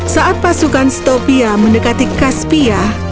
saat pasukan stopia mendekati kaspia